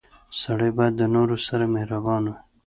• سړی باید د نورو سره مهربان وي.